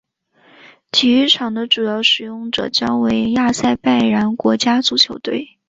体育场的主要使用者将为亚塞拜然国家足球队。